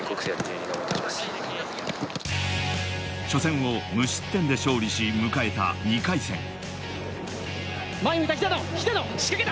初戦を無失点で勝利し、迎えた２回戦。